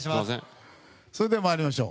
それでは参りましょう。